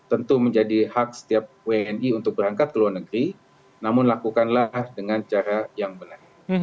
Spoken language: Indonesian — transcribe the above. tentu menjadi hak setiap wni untuk berangkat ke luar negeri namun lakukanlah dengan cara yang benar